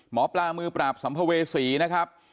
หมอปลามือปราบสัมภเวษีนะครับ